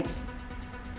gak usah panik